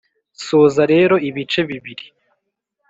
soza rero ibice bibiri